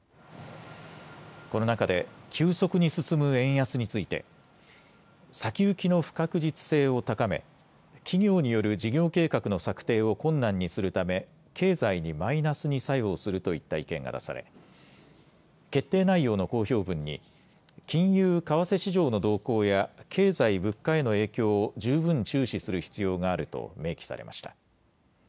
この中で急速に進む円安について先行きの不確実性を高め企業による事業計画の策定を困難にするため経済にマイナスに作用するといった意見が出され決定内容の公表文に金融・為替市場の動向や経済・物価への影響を十分注視する必要があると明記されました。